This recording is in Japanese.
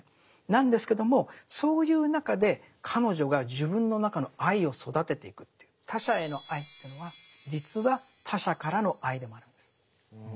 なんですけどもそういう中で彼女が自分の中の愛を育てていくっていう他者への愛というのは実は他者からの愛でもあるんです。